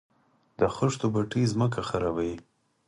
د خښتو بټۍ ځمکه خرابوي؟